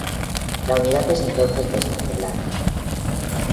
La unidad es entonces desmantelada.